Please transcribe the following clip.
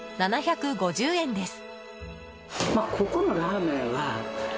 ７５０円です。